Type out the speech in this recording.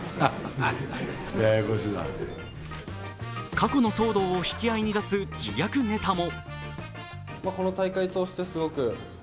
過去の騒動を引き合いに出す自虐ネタも。